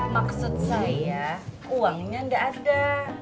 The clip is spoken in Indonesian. maksud saya uangnya tidak ada